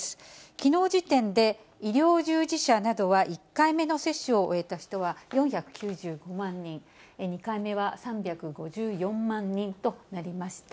きのう時点で、医療従事者などは１回目の接種を終えた人は４９５万人、２回目は３５４万人となりました。